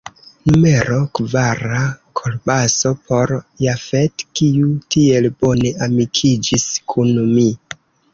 Numero kvara: Kolbaso; por Jafet, kiu tiel bone amikiĝis kun mi.